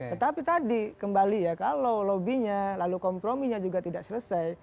tetapi tadi kembali ya kalau lobby nya lalu kompromi nya juga tidak selesai